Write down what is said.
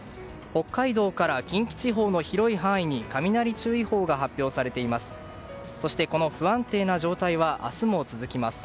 北海道から近畿地方の広い範囲に雷注意報が発表されています。